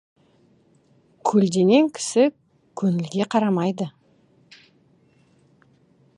Көлденең кісі көңілге қарамайды.